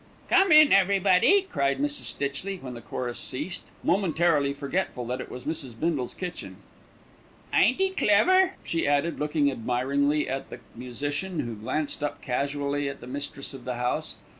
"Come in, everybody!" cried Mrs. Stitchley, when the chorus ceased, momentarily forgetful that it was Mrs. Bindle's kitchen. "Ain't 'e clever," she added, looking admiringly at the musician, who glanced up casually at the mistress of the house.